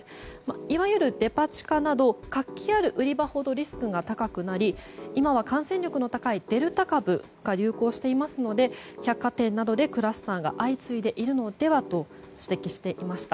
いわゆるデパ地下など活気ある売り場ほどリスクが高くなり今は感染力が高いデルタ株が流行していますので百貨店などでクラスターが相次いでいるのではと指摘していました。